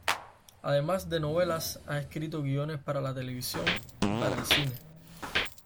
Además de novelas ha escrito guiones para la televisión y para el cine.